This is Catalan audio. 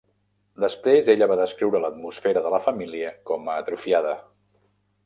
Després ella va descriure l'atmosfera de la família com "atrofiada".